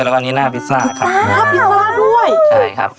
แล้วอันนี้หน้าวิซ่าครับ